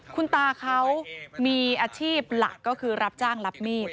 คุณตาเขามีอาชีพหลักก็คือรับจ้างรับมีด